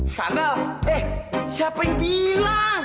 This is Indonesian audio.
shanel eh siapa yang bilang